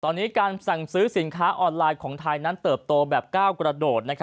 ตอนนี้การสั่งซื้อสินค้าออนไลน์ของไทยนั้นเติบโตแบบก้าวกระโดด